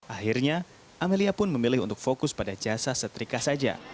akhirnya amelia pun memilih untuk fokus pada jasa setrika saja